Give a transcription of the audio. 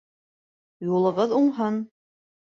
Юлығыҙ уңһын